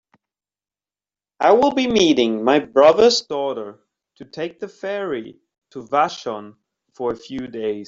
I will be meeting my brother's daughter to take the ferry to Vashon for a few days.